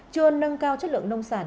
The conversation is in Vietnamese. chưa nâng cao chất lượng nông sản